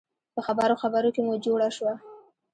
په خبرو خبرو کې مو جوړه شوه.